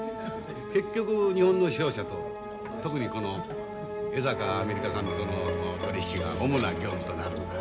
結局日本の商社と特にこの江坂アメリカさんとの取り引きが主な業務となるんだ。